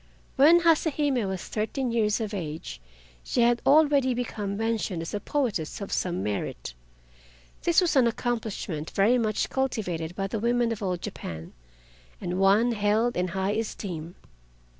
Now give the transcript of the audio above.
When Hase Hime was thirteen years of age, she had already become mentioned as a poetess of some merit. This was an accomplishment very much cultivated by the women of old Japan and one held in high esteem.